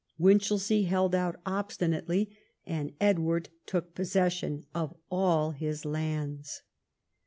Winchelsea held out obstinately, and Edward took possession of all his lands.